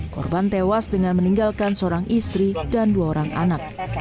korban tewas dengan meninggalkan seorang istri dan dua orang anak